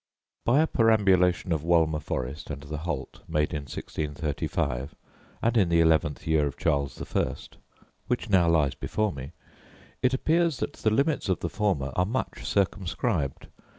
By a perambulation of Wolmer forest and the Holt, made in 1635, and in the eleventh year of Charles the First (which now lies before me), it appears that the limits of the former are much circumscribed.